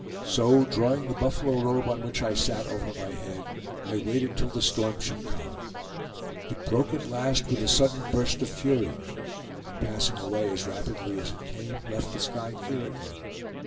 So, drawing the buffalo robe on which I sat over my head, I waited till the storm should come. It broke at last with a sudden burst of fury, and passing away as rapidly as it came, left the sky clear again.